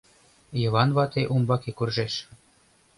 Йыван вате умбаке куржеш.